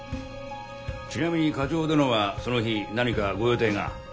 ちなみに課長殿はその日何かご予定が？